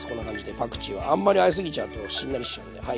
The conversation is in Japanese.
パクチーはあんまりあえすぎちゃうとしんなりしちゃうんではい。